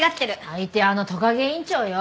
相手はあのトカゲ院長よ。